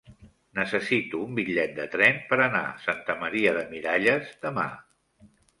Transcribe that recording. Necessito un bitllet de tren per anar a Santa Maria de Miralles demà.